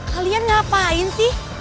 kalian ngapain sih